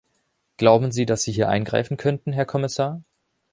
Glauben Sie, dass Sie hier eingreifen könnten, Herr Kommissar?